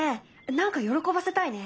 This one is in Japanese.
何か喜ばせたいね。